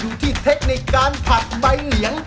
อยู่ที่เทคนิคการผัดใบเหลียง